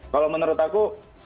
kalau menurut aku